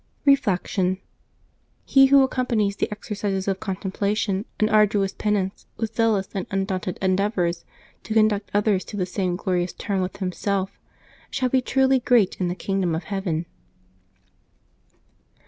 Reflection. — He who accompanies the exercises of con templation and arduous penance with zealous and un daunted endeavors to conduct others to the same glorious term with himself, shall be truly great in the kingdom of heaven.